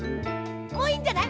もういいんじゃない？